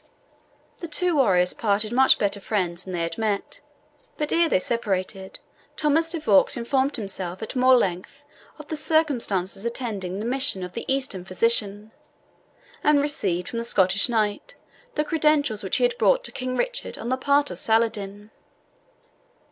The two warriors parted much better friends than they had met; but ere they separated, Thomas de Vaux informed himself at more length of the circumstances attending the mission of the Eastern physician, and received from the Scottish knight the credentials which he had brought to King Richard on the part of Saladin.